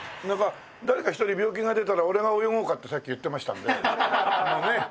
誰か一人病気が出たら俺が泳ごうかってさっき言ってましたんでもしなんだったらね？